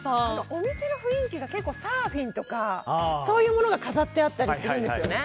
お店の雰囲気が結構サーフィンとかそういうものが飾ってあったりするんですよね。